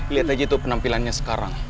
lihat aja tuh penampilannya sekarang